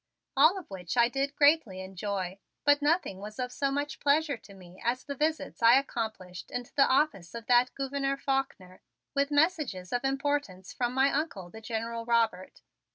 All of which I did greatly enjoy, but nothing was of so much pleasure to me as the visits I accomplished into the office of that Gouverneur Faulkner with messages of importance from my Uncle, the General Robert.